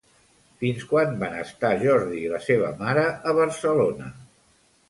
Fins quan van estar Jordi i la seva mare a Barcelona?